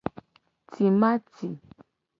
Timati.